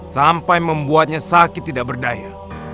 sampai membuatnya sakit tidak berdaya